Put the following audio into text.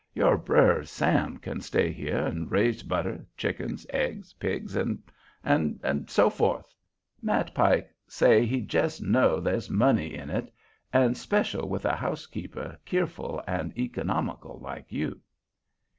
Your brer Sam can stay here an' raise butter, chickens, eggs, pigs, an'—an'—an' so forth. Matt Pike say he jes' know they's money in it, an' special with a housekeeper keerful an' equinomical like you."